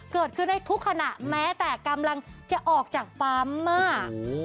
เกิดขึ้นได้ทุกขณะแม้แต่กำลังจะออกจากปั๊มอ่ะ